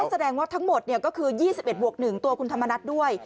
แสดงว่าทั้งหมดก็คือ๒๑บวก๑ตัวคุณธรรมนัฐด้วย